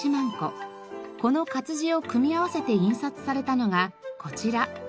この活字を組み合わせて印刷されたのがこちら。